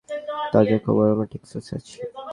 তাজা খবর, আমরা টেক্সাসে আছি।